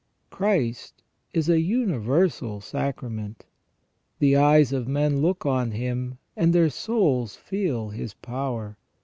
Christ is a universal sacrament. The eyes of men look on Him, and their souls feel His power.